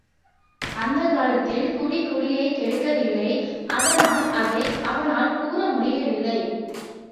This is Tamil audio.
அந்தக் காலத்தில் குடி குடியைக் கெடுக்கவில்லை அதனால் அதை அவனால் கூற முடியவில்லை.